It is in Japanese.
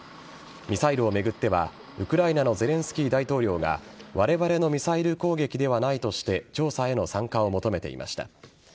ミサイルを巡ってはウクライナのゼレンスキー大統領がわれわれのミサイル攻撃ではないとして調査への参加を求めていました。